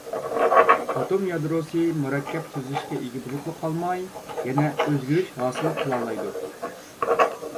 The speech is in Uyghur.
ئاتوم يادروسى مۇرەككەپ تۈزۈلۈشكە ئىگە بولۇپلا قالماي، يەنە ئۆزگىرىش ھاسىل قىلالايدۇ.